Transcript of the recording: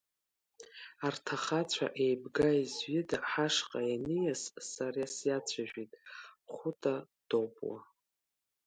Арҭ ахацәа еибга-изҩыда ҳашҟа ианиас, сара сиацәажәеит Хәыта Допуа.